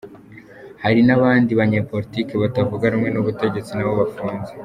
Hari n’abandi banyepolitike batavuga rumwe n’ubutegetsi nabo bafunzwe.